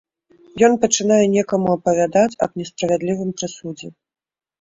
Ён пачынае некаму апавядаць аб несправядлівым прысудзе.